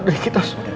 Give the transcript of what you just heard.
dari kita semua